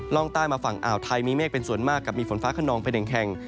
ร่องใต้มาฝั่งอ่าวไทยมีเมฆเป็นส่วนมากกับมีฝนฟ้าขนองเป็นหนึ่งแห่ง